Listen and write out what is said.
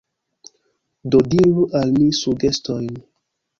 Do diru al mi sugestojn.